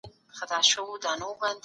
عبدالکريم طالب عبدالرؤف مخلص